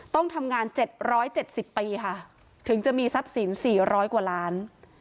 ต้องทำงาน๗๗๐ปีค่ะถึงจะมีทรัพย์สิน๔๐๐กว่าล้าน